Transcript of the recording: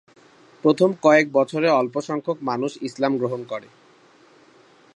প্রথম কয়েক বছরে অল্প সংখ্যক মানুষ ইসলাম গ্রহণ করে।